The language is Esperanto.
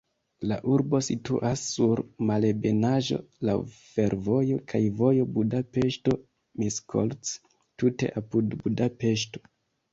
La urbo situas sur malebenaĵo, laŭ fervojo kaj vojo Budapeŝto-Miskolc, tute apud Budapeŝto.